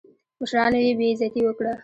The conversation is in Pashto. مشرانو یې بېعزتي وکړه.